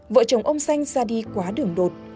vợ chồng ông xanh ra đi quá đường đột